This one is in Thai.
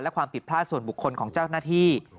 และความผิดพลาดส่วนบุคคลของเจ้าหน้าที่